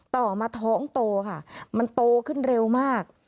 ต่อมาท้องโตค่ะมันโตขึ้นเร็วมาก